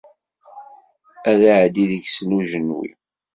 Ad iɛeddi deg-sen ujenwi.